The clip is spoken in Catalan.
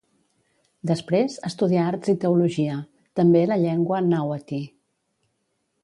Després estudià arts i teologia, també la llengua nàhuatl.